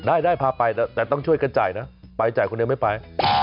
ได้ได้พาไปแต่ต้องช่วยกันจ่ายนะไปจ่ายคนเดียวไม่ไป